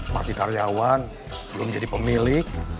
masih karyawan belum jadi pemilik